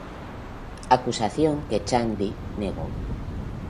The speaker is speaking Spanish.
Acusación que Echandi negó.